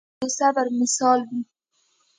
مجاهد د صبر مثال وي.